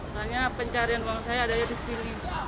soalnya pencarian uang saya ada ya di sini